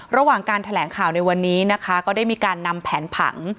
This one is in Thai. ระหว่างการแถลงข่าวในวันนี้นะคะก็ได้มีการนำแผนผัง